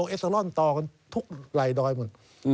โอเอสเซอรอนต่อกันทุกไหลดอยหมด